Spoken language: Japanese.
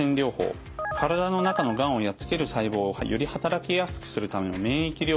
体の中のがんをやっつける細胞をより働きやすくするための免疫療法。